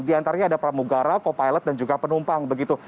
di antaranya ada pramugara copilot dan juga penumpang